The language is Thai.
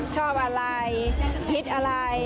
ชอบอะไรคิดอะไร